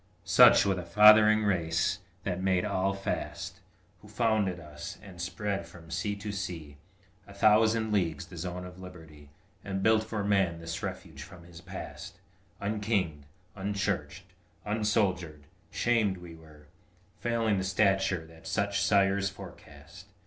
Such was the fathering race that made all fast, Who founded us, and spread from sea to sea A thousand leagues the zone of liberty, And built for man this refuge from his past, Unkinged, unchurched, unsoldiered; shamed were we, Failing the stature that such sires forecast!